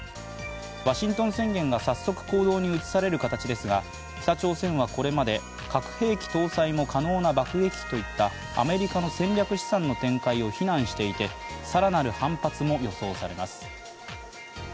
ワシントン宣言が早速行動に移される形ですが、北朝鮮は、これまで核兵器搭載も可能な爆撃機といったアメリカの戦略資産の展開を非難していて、更なる反発も予想されます。